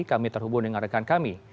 kami terhubung dengan rekan kami